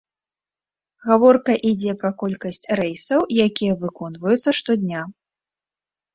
Гаворка ідзе пра колькасць рэйсаў, якія выконваюцца штодня.